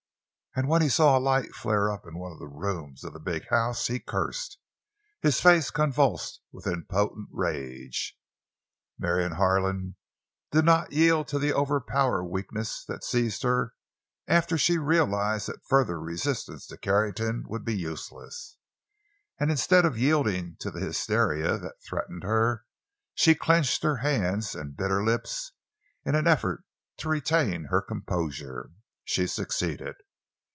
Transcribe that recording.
And when he saw a light flare up in one of the rooms of the big house, he cursed, his face convulsed with impotent rage. Marion Harlan did not yield to the overpowering weakness that seized her after she realized that further resistance to Carrington would be useless. And instead of yielding to the hysteria that threatened her, she clenched her hands and bit her lips in an effort to retain her composure. She succeeded.